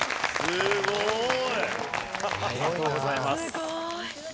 すごーい！